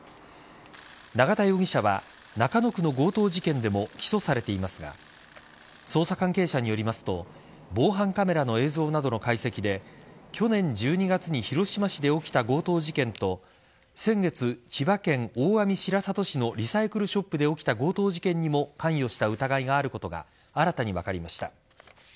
永田容疑者は中野区の強盗事件でも起訴されていますが捜査関係者によりますと防犯カメラの映像などの解析で去年１２月に広島市で起きた強盗事件と先月、千葉県大網白里市のリサイクルショップで起きた強盗事件にも関与した疑いがあることが新たに分かりました。